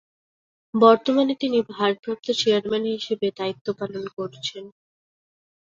বর্তমানে তিনি ভারপ্রাপ্ত চেয়ারম্যান হিসেবে দ্বায়িত্ব পালন করছেন।